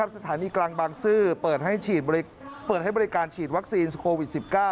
สถานีกลางบางซื่อเปิดให้เปิดให้บริการฉีดวัคซีนโควิด๑๙